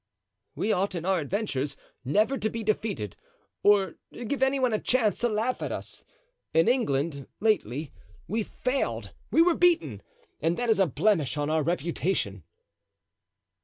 "We ought, in our adventures, never to be defeated or give any one a chance to laugh at us. In England, lately, we failed, we were beaten, and that is a blemish on our reputation."